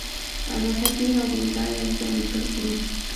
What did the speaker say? البته ډېر او بې ځایه اوږده لیکل کوي.